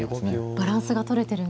バランスがとれてるんですね。